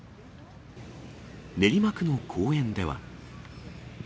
練馬区の公園では。